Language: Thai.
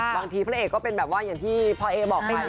บางทีพระเอกก็เป็นแบบว่าอย่างที่พ่อเอ๋บอกกัน